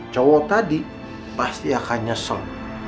cowok tadi pasti akan nyesel